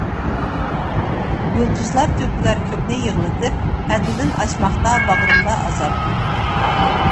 يۇلتۇزلار تۆكۈلەر كۆكنى يىغلىتىپ، ھەددىدىن ئاشماقتا باغرىمدا ئازاب.